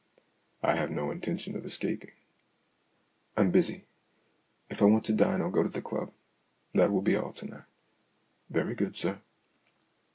I have no intention of escaping. " I'm busy ; if I want to dine I'll go to the club. That will be all to night." " Very good, sir."